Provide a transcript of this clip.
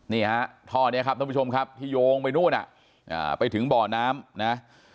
นี่ฮะท่อนี้ครับท่านผู้ชมครับที่โยงไปนู่นไปถึงบ่อน้ำนะ